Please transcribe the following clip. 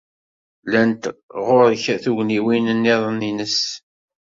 Llant ɣer-k tugniwin niḍen nnes?